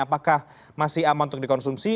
apakah masih aman untuk dikonsumsi